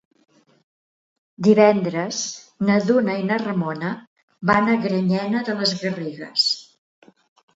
Divendres na Duna i na Ramona van a Granyena de les Garrigues.